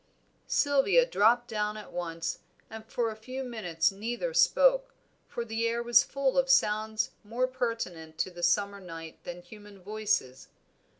Sylvia dropped down at once, and for a few minutes neither spoke, for the air was full of sounds more pertinent to the summer night than human voices.